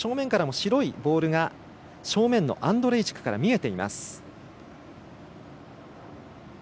白いボールが正面のアンドレイチクから見えています。